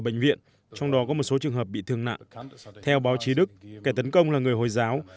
bệnh viện trong đó có một số trường hợp bị thương nặng theo báo chí đức kẻ tấn công là người hồi giáo